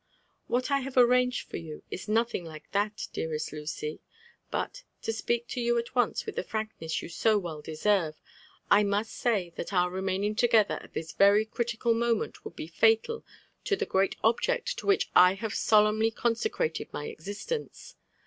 *' What I have arranged for you is nothing like this, dearest Lucy; but, to speak to you at once with the frankness you so well deserve, I must say that our remaining together at this very critical moment would be fatal to the great object to which I have solemnly consecrated my existence.